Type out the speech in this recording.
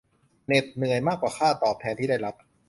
เหน็ดเหนื่อยมากกว่าค่าตอบแทนที่ได้รับ